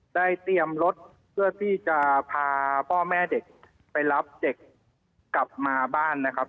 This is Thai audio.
เตรียมรถเพื่อที่จะพาพ่อแม่เด็กไปรับเด็กกลับมาบ้านนะครับ